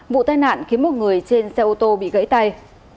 vụ tai nạn khiến một người trên xe ô tô bị gãy tay